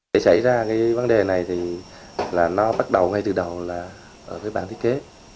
để xảy ra cái vấn đề này thì là nó bắt đầu ngay từ đầu là ở cái bản thiết kế